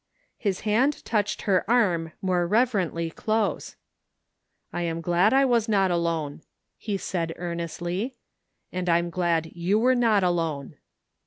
His hand touched her arm more reverently dose. " I am glad I was not alone," he said earnestly. "And I'm glad you were not alone."